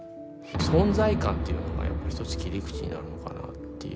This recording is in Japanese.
存在感っていうのがやっぱり一つ切り口になるのかなっていう。